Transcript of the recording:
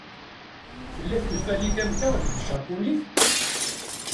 Tella tenfalit am ta deg tjapunit?